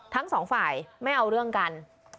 ทั้งสองฝ่ายไม่เอาเรื่องกัน